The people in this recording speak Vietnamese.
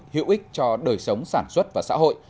hữu ích cho đời sống sản xuất và xã hội